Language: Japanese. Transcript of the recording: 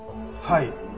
はい。